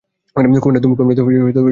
কুমারীত্ব অনেক জটিল হয়ে গেছে।